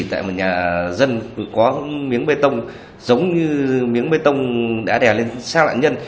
tại một nhà dân có miếng bê tông giống như miếng bê tông đã đè lên xác nạn nhân